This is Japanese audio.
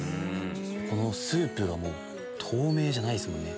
このスープが透明じゃないですもんね。